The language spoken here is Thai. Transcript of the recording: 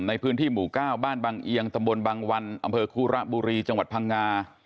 ในพื้นที่หมู่๙บ้านบังเอียงตำบลบางวันอำเภอคุระบุรีจังหวัดพังงา